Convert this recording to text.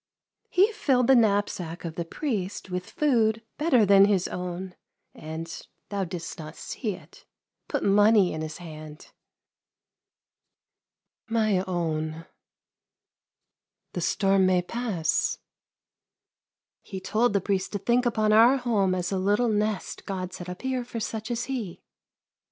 " He filled the knapsack of the priest with food better than his own, and — thou didst not see it — put money in his hand." " My own, the storm may pass." '* He told the priest to think upon our home as a little nest God set up here for such as he."